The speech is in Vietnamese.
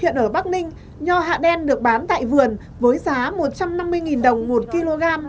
hiện ở bắc ninh nho hạ đen được bán tại vườn với giá một trăm năm mươi đồng một kg